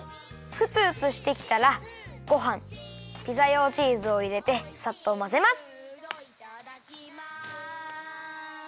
ふつふつしてきたらごはんピザ用チーズをいれてさっとまぜます。